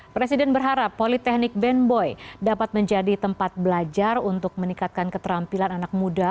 presiden berharap politeknik band boy dapat menjadi tempat belajar untuk meningkatkan keterampilan anak muda